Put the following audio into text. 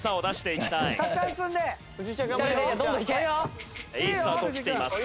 いいスタートを切っています。